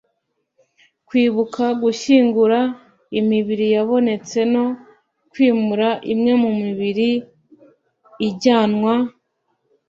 kwibuka gushyingura imibiri yabonetse no kwimura imwe mu mibiri ijyanwa